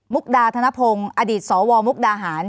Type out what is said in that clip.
กดาธนพงศ์อดีตสวมุกดาหาร